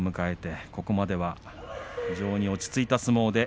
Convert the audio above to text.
ここまでは非常に落ち着いた相撲をです。